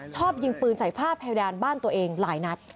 ชอบยิงปืนใส่ฝ้าเพดานบ้านตัวเองหลายนัด